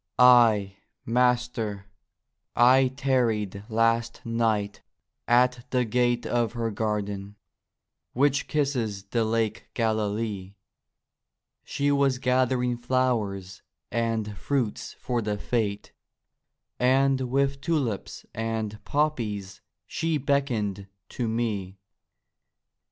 Ay, Master, I tarried last night at the gate Of her garden, which kisses the Lake Galilee; She was gathering flowers and fruits for the Fete, And with tulips and poppies she beckoned to me.